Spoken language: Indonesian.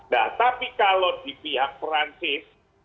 nah tapi kalau di pihak perancis